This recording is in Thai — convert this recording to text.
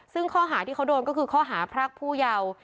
ซึ่งข้อหาที่เขาโดนก็คือข้อหาพรากผู้เยาว์